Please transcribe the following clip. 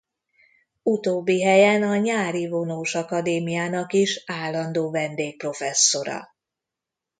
Utóbbi helyen a Nyári Vonós Akadémiának is állandó vendégprofesszora.